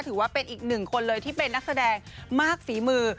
ถือว่าเป็นอีกหนึ่งคนเลยที่เป็นนักแสดงมากฝีมือ